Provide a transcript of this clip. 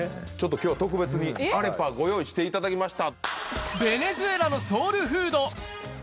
今日は特別にアレパご用意していただきました。